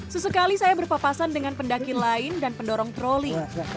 sesekali saya berpapasan dengan pendakian lain dan pendorong troli